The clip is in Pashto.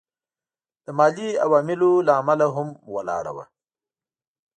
د مالي عواملو له امله هم ولاړه وه.